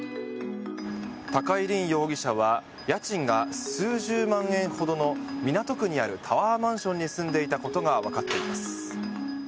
高井凜容疑者は家賃が数十万円ほどの港区にあるタワーマンションに住んでいたことがわかっています。